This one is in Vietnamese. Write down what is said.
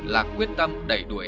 là quyết tâm đẩy đuổi